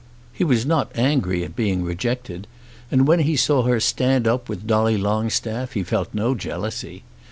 He was not angry at being rejected, and when he saw her stand up with Dolly Longstaff he felt no jealousy.